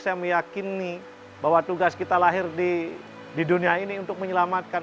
saya meyakini bahwa tugas kita lahir di dunia ini untuk menyelamatkan